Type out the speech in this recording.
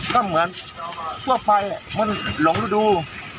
ก็เหมือนทั่วไปมันหลงฤดู